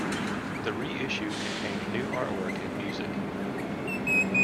The reissue contained new artwork and music.